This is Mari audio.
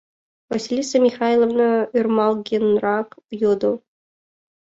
— Василиса Михайловна ӧрмалгенрак йодо.